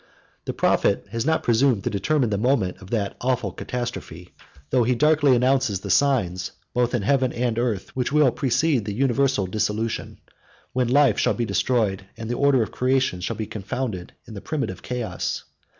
The prophet has not presumed to determine the moment of that awful catastrophe, though he darkly announces the signs, both in heaven and earth, which will precede the universal dissolution, when life shall be destroyed, and the order of creation shall be confounded in the primitive chaos.